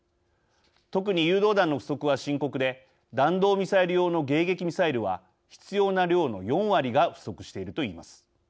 特に誘導弾の不足は深刻で弾道ミサイル用の迎撃ミサイルは必要な量の４割が不足しているといいます。